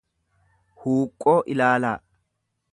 huuqqoo ilaalaa